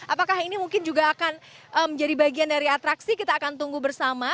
apakah ini mungkin juga akan menjadi bagian dari atraksi kita akan tunggu bersama